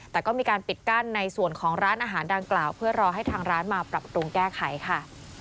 แต่ก็มีการปิดกั้นในส่วนของร้านอาหารดังกล่าวเพื่อรอให้ทางร้านมาปรับปรุงแก้ไขค่ะ